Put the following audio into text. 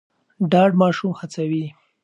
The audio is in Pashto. ډاډ ماشوم هڅوي.